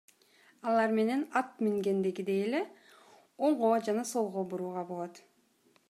Алар менен ат мингендегидей эле оңго жана солго бурууга болот.